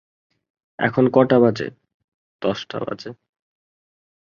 "এখন কটা বাজে?" "দশটা বাজে।"